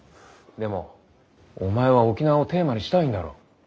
でもお前は沖縄をテーマにしたいんだろ？